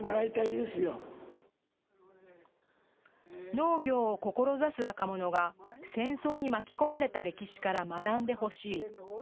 農業を志す若者が戦争に巻き込まれた歴史から学んでほしい。